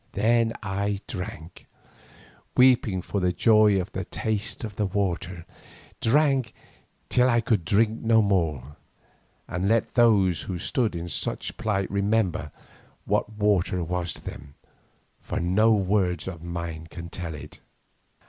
Then I drank, weeping for joy at the taste of the water, drank till I could drink no more, and let those who have stood in such a plight remember what water was to them, for no words of mine can tell it.